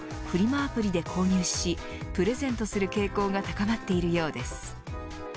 アプリで購入しプレゼントする傾向が高まっているようです。